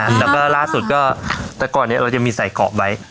หลังจากล่าวล่าสุดก็แต่ก่อนเนี้ยเราจะมีใส่ขอบไว้